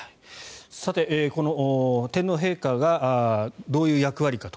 この天皇陛下がどういう役割かと。